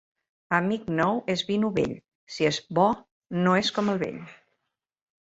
Amic nou és vi novell. Si és bo no és com el vell.